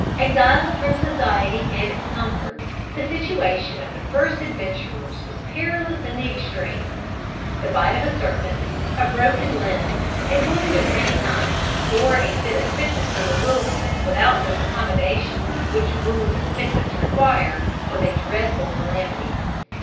"Exiled from society and its comforts, the situation of the first adventurers was perilous in the extreme. The bite of a serpent, a broken limb, a wound of any kind, or a fit of sickness in the wilderness without those accommodations which wounds and sickness require, was a dreadful calamity.